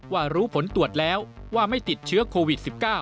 ว่ารู้ผลตรวจแล้วว่าไม่ติดเชื้อโควิด๑๙